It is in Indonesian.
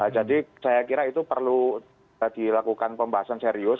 jadi saya kira itu perlu dilakukan pembahasan serius